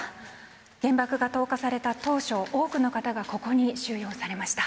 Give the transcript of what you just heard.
原爆が投下された当初多くの方がここに収容されました。